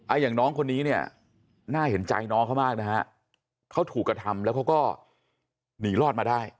อย่างน้องคนนี้เนี่ยน่าเห็นใจน้องเขามากนะฮะเขาถูกกระทำแล้วเขาก็หนีรอดมาได้